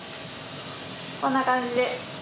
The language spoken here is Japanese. こんな感じで。